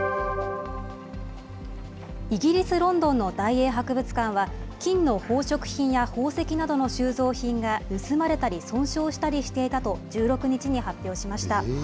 イギリス・ロンドンの大英博物館は、金の宝飾品や宝石などの収蔵品が盗まれたり、損傷したりしていたと１６日に発表しました。